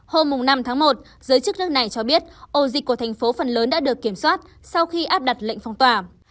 hôm năm tháng một giới chức nước này cho biết ổ dịch của thành phố phần lớn đã được kiểm soát sau khi áp đặt lệnh phong tỏa